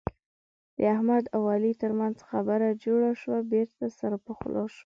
د احمد او علي ترمنځ خبره جوړه شوه. بېرته سره پخلا شول.